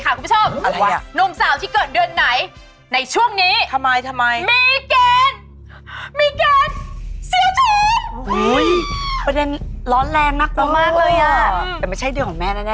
ขอบใจหรูกเพราะแม่เสียแม่แหละ